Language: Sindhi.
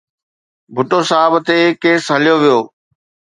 ڀٽو صاحب تي ڪيس هليو ويو.